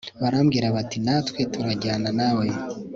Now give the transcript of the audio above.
baramubwira bati natwe turajyana nawe